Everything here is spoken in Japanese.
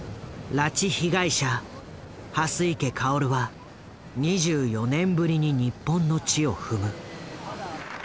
拉致被害者蓮池薫は２４年ぶりに日本の地を踏む。